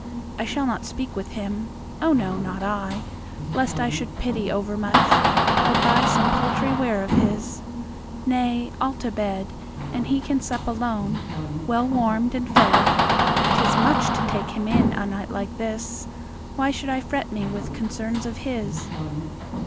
I shall not speak with him. Oh, no, not I, Lest I should pity overmuch, or buy Some paltry ware of his. Nay, I'll to bed, And he can sup alone, well warmed and fed; 'Tis much to take him in a night like this. Why should I fret me with concerns of his?